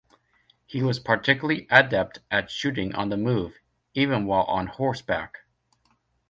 He was particularly adept at shooting on the move, even while on horseback.